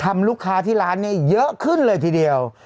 ลูกค้าที่ร้านเนี่ยเยอะขึ้นเลยทีเดียว